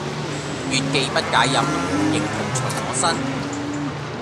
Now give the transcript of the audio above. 月既不解飲，影徒隨我身